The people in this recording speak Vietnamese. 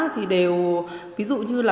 thì đều ví dụ như là